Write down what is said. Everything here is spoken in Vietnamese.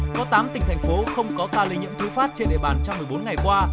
có tám tỉnh thành phố không có ca lây nhiễm tư phát trên địa bàn trong một mươi bốn ngày qua